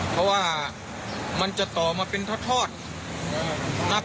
เพราะว่ามันจะต่อมาเป็นทอดนับตั้งแต่ยี่ปั้วลงมา